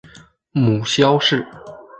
母萧氏。